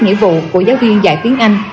nghĩa vụ của giáo viên dạy tiếng anh